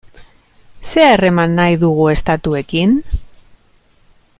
Zer harreman nahi dugu estatuekin?